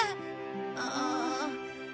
ああ。